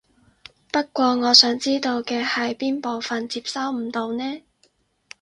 不過我想知道嘅係邊部分接收唔到呢？